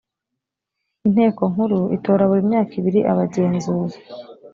inteko nkuru itora buri myaka ibiri abagenzuzi